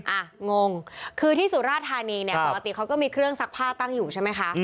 งงคือที่สุราธานีเนี่ยปกติเขาก็มีเครื่องซักผ้าตั้งอยู่ใช่ไหมคะ